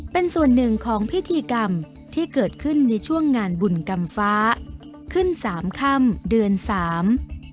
เป็นส่วนหนึ่งของพิธีกรรมที่เกิดขึ้นในช่วงงานบุญกรรมฟ้าขึ้นสามค่ำเดือนสาม